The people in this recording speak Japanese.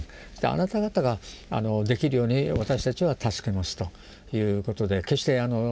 あなた方ができるように私たちは助けますということで決して主人公ではない。